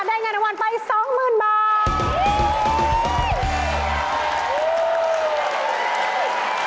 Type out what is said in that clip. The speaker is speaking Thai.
ได้เงินรางวัลไป๒๐๐๐บาท